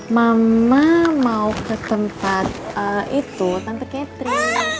mama mau ke tempat itu tante catherine